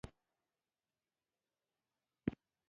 فاعل د فعل ترسره کوونکی کس یا شی دئ.